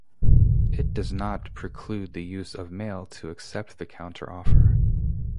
It does not preclude the use of mail to accept the counteroffer.